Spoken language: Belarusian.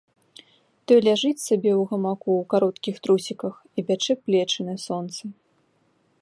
Той ляжыць сабе ў гамаку ў кароткіх трусіках і пячэ плечы на сонцы.